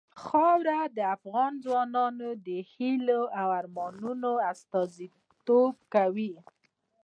خاوره د افغان ځوانانو د هیلو او ارمانونو استازیتوب کوي.